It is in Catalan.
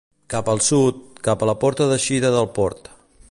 Cap al sud, cap a la porta d'eixida del port.